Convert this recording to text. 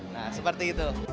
nah seperti itu